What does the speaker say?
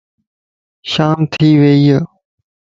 شام ٿي ويئي